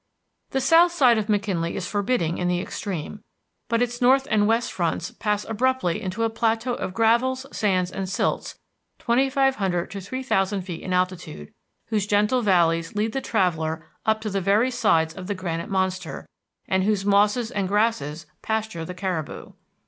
The south side of McKinley is forbidding in the extreme, but its north and west fronts pass abruptly into a plateau of gravels, sands, and silts twenty five hundred to three thousand feet in altitude, whose gentle valleys lead the traveller up to the very sides of the granite monster, and whose mosses and grasses pasture the caribou.